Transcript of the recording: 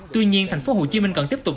tuy nhiên thành phố hồ chí minh cần tiếp tục